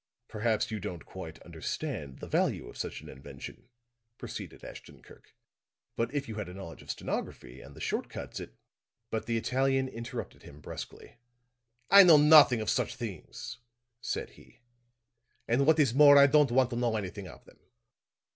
"Perhaps you don't quite understand the value of such an invention," proceeded Ashton Kirk. "But if you had a knowledge of stenography, and the short cuts it " But the Italian interrupted him brusquely. "I know nothing of such things," said he, "and what is more I don't want to know anything of them."